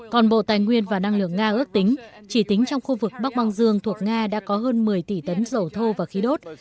còn bộ tài nguyên và năng lượng nga ước tính chỉ tính trong khu vực bắc băng dương thuộc nga đã có hơn một mươi tỷ tấn dầu thô và khí đốt